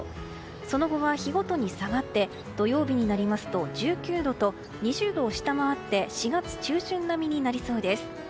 その後は日ごとに下がって土曜日になりますと１９度と２０度を下回って４月中旬並みになりそうです。